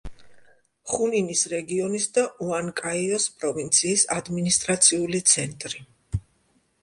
ხუნინის რეგიონის და უანკაიოს პროვინციის ადმინისტრაციული ცენტრი.